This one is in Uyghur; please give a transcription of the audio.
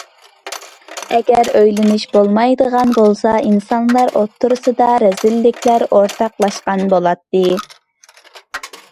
ئەگەر ئۆيلىنىش بولمايدىغان بولسا، ئىنسانلار ئوتتۇرىسىدا رەزىللىكلەر ئورتاقلاشقان بولاتتى.